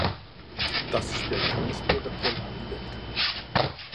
Das ist der Johannesburg-Appell an die Welt.